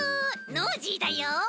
ノージーだよ。